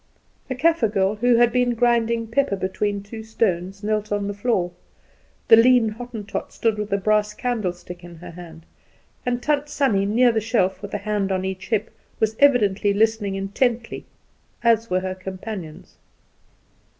A Kaffer girl, who had been grinding pepper between two stones, knelt on the floor, the lean Hottentot stood with a brass candlestick in her hand, and Tant Sannie, near the shelf, with a hand on each hip, was evidently listening intently, as were her companions.